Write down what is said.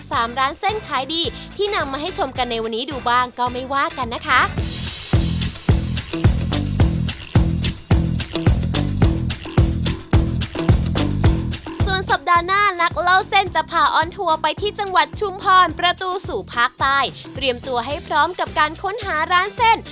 ส่วนสัปดาห์หน้านักเล่าเส้นจะพาออนทัวร์ไปที่จังหวัดชุมพรประตูสู่ภาคใต้เตรียมตัวให้พร้อมกับการค้นหาร้านเส้น